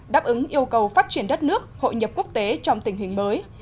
đáp ứng yêu cầu phát triển đất nước hội nhập quốc tế trong tình hình mới